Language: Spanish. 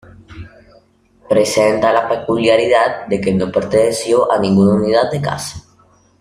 Presenta la peculiaridad de que no perteneció a ninguna unidad de caza.